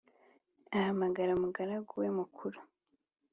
ahamagara umugaragu we mukuru